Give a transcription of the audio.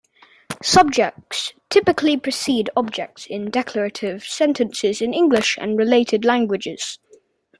Subjects typically precede objects in declarative sentences in English and related languages.